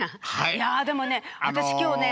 いやでもね私今日ね。